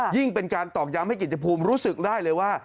ยิ่งเป็นการตอกย้ำให้กิจภูมิรู้สึกได้เลยว่า